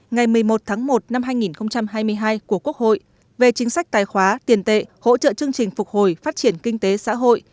ngày một mươi một tháng một năm hai nghìn hai mươi hai của quốc hội về chính sách tài khóa tiền tệ hỗ trợ chương trình phục hồi phát triển kinh tế xã hội